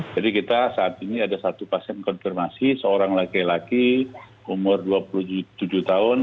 jadi kita saat ini ada satu pasien konfirmasi seorang laki laki umur dua puluh tujuh tahun